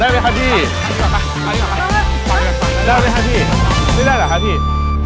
ได้ไหมคะพี่ไปก่อนค่ะไปก่อนค่ะได้ไหมคะพี่นี่ได้หรอคะพี่